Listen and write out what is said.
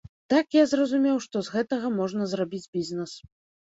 Так я зразумеў, што з гэтага можна зрабіць бізнес.